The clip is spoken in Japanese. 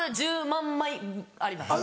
１０万枚あります。